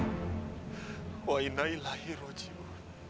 assalamualaikum warahmatullahi wabarakatuh